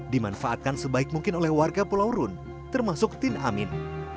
dimanfaatkan sebaik mungkin oleh warga pulau rune termasuk tin amin